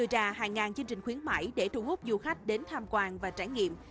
ra hàng ngàn chương trình khuyến mãi để thu hút du khách đến tham quan và trải nghiệm